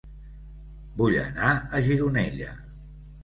Vull anar a Gironella